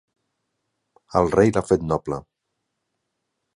El rei l'ha fet noble.